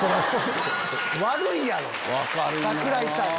悪いやろ櫻井さんに。